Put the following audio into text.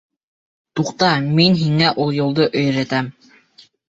Туҡта, мин һиңә ул юлды өйрәтәм.